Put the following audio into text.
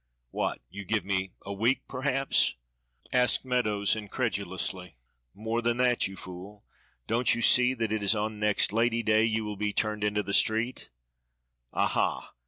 What, you give me a week perhaps?" asked Meadows incredulously. "More than that, you fool! Don't you see that it is on next Lady day you will be turned into the street. Aha!